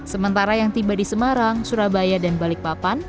sementara yang tiba di semarang surabaya dan balikpapan